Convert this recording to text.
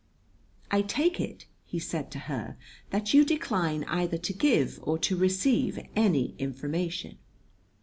"I take it," he said to her, "that you decline either to give or to receive any information."